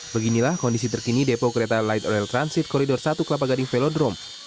beginilah kondisi terkini depo kereta light rail transit koridor satu kelapa gading velodrome